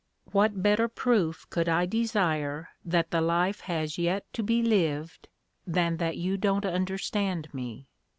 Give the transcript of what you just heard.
What better proof could I desire that the life has yet to be lived than that you don't understand me?